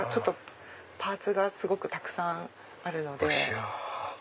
パーツがすごくたくさんあるので。